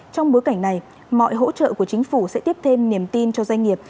trong bối cảnh này mọi hỗ trợ của chính phủ sẽ tiếp thêm niềm tin cho doanh nghiệp